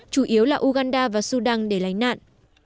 chủ yếu là uganda và sudan để lánh nạn